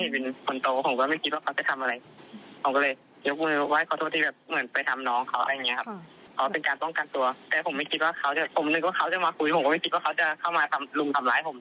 ผมไม่คิดว่าเขาจะมาคุยผมไม่คิดว่าเขาก็เข้ามาลุมทำร้ายผม